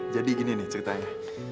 jadi gini nih ceritanya